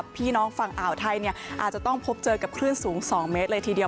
พี่น้องฝั่งอ่าวไทยอาจจะต้องพบเจอกับคลื่นสูง๒เมตรเลยทีเดียว